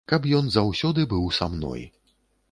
Каб ён заўсёды быў са мной.